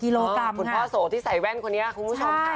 กิโลกรัมคุณพ่อโสที่ใส่แว่นคนนี้คุณผู้ชมค่ะ